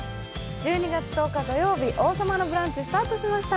１２月１０日土曜日、「王様のブランチ」スタートしました。